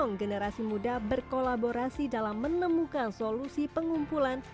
mendorong generasi muda berkolaborasi dalam menemukan solusi pengumpulan